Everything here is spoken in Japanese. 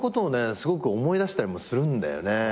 すごく思い出したりもするんだよね。